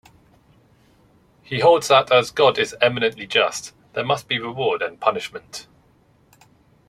He holds that as God is eminently just, there must be reward and punishment.